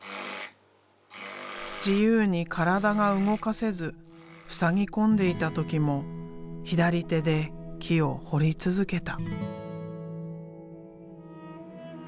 自由に体が動かせずふさぎ込んでいた時も左手で木を彫り続けた。